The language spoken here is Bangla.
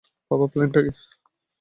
বাবা, প্ল্যানটা কী?